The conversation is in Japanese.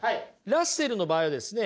ラッセルの場合ですね